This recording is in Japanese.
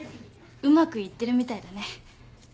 うまくいってるみたいだね。